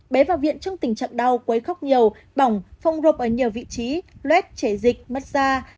bé vào viện trong tình trạng đau quấy khóc nhiều bỏng phong rộp ở nhiều vị trí luét trẻ dịch mất da